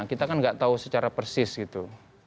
kita kan nggak tahu secara persis gitu